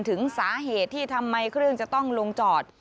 ถึงสาเหตุที่ทำไมเครื่องจะต้องลงจอด